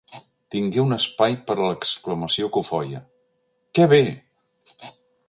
Tingué un espai per a l'exclamació cofoia: que bé!